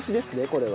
これは。